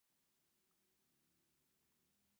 نه ختیځ نه لویدیځ یوازې اسلام او یوازې افغان